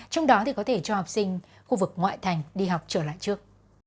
trong đó thì có thể cho học sinh khu vực ngoại thành đi học trở lại trước